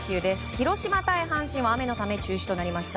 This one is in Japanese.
広島対阪神は雨のため中止となりました。